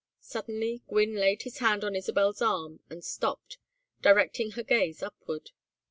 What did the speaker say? Suddenly Gwynne laid his hand on Isabel's arm and stopped, directing her gaze upward.